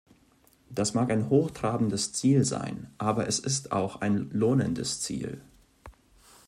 Das mag ein hochtrabendes Ziel sein, aber es ist auch ein lohnendes Ziel.